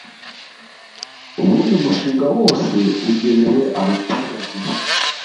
ubundi umushinga wose ugenewe abaturage